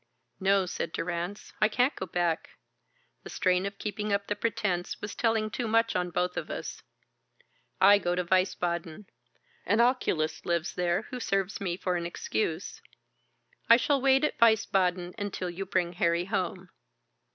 "No," said Durrance, "I can't go back. The strain of keeping up the pretence was telling too much on both of us. I go to Wiesbaden. An oculist lives there who serves me for an excuse. I shall wait at Wiesbaden until you bring Harry home."